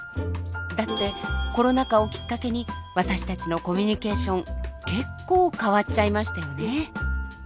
だってコロナ禍をきっかけに私たちのコミュニケーション結構変わっちゃいましたよね？